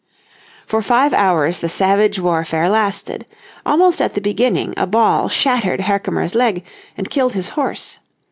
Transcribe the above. For five hours the savage warfare lasted. Almost at the beginning a ball shattered Herkimer's leg and killed his horse.